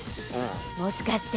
もしかして？